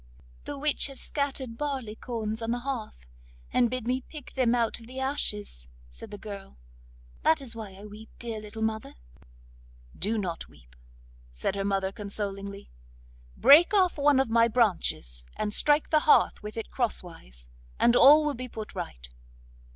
'The witch has scattered barleycorns on the hearth, and bid me pick them out of the ashes,' said the girl; 'that is why I weep, dear little mother.' 'Do not weep,' said her mother consolingly. 'Break off one of my branches, and strike the hearth with it crosswise, and all will be put right.